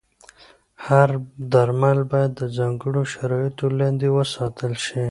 هر درمل باید د ځانګړو شرایطو لاندې وساتل شي.